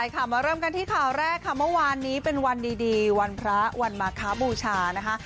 มาเริ่มกันที่ข่าวแรกค่ะเมื่อวานนี้เป็นวันดีวันพระวันมาคบูชานะคะ